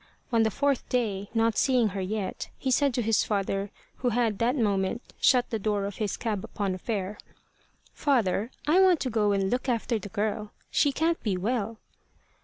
On the fourth day, not seeing her yet, he said to his father, who had that moment shut the door of his cab upon a fare "Father, I want to go and look after the girl, She can't be well."